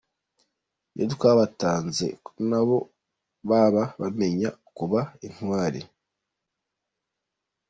Iyo twabatanze na bo baba bemeye kuba intwari.